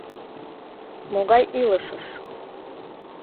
— Могай илышыш?